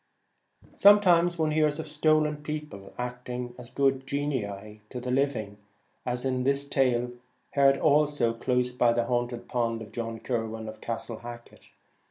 Sometimes one hears of stolen people acting as good genii to the living, as in this tale, heard also close by the haunted pond, of John Kirwan of Castle Hacket.